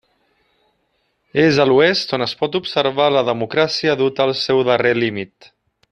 És a l'Oest on es pot observar la democràcia duta al seu darrer límit.